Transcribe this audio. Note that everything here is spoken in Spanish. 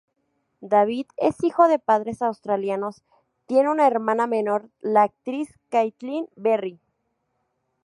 David es hijo de padres australianos, tiene una hermana menor la actriz Caitlin Berry.